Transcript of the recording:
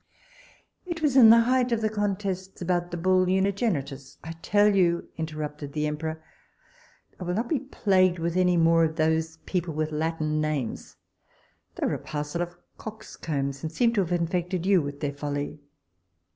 It was in the height of the contests about the bull unigenitus I tell you, interrupted the emperor, I will not be plagued with any more of those people with Latin names: they were a parcel of coxcombs, and seem to have infected you with their folly.